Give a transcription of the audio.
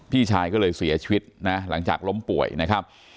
พี่ชายก็เลยเสียชีวิตนะหลังจากล้มป่วยนะครับ